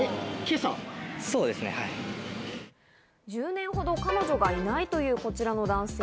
１０年ほど彼女がいないというこちらの男性。